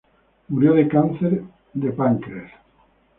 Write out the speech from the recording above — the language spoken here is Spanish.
Murió de cáncer al páncreas.